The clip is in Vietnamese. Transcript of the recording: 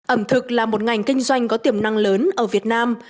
ẩm thực là một ngành kinh doanh có tiềm năng lớn ở việt nam